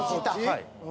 はい。